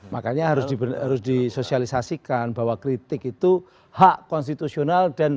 makanya harus disosialisasikan bahwa kritik itu hak konstitusional dan